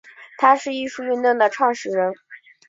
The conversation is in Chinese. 他是艺术运动的始创人。